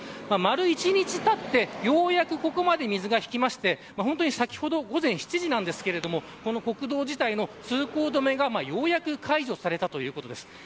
丸１日たってようやくここまで水が引きまして先ほど午前７時なんですけどこの国道自体の通行止めがようやく解除されたということです。